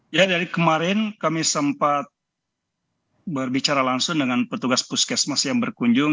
ya dari kemarin kami sempat berbicara langsung dengan petugas puskesmas yang berkunjung